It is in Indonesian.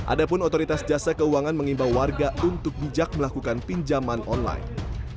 adapun otoritas jasa keuangan mengimbau warga untuk bijak melakukan pinjaman online